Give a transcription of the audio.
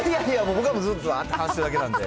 僕はもう、ずっと話してるだけなんて。